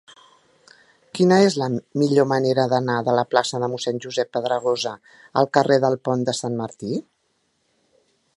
Quina és la millor manera d'anar de la plaça de Mossèn Josep Pedragosa al carrer del Pont de Sant Martí?